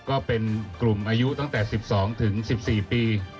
ก็เป็นกลุ่มอายุตั้งแต่๑๒ถึง๑๔ปี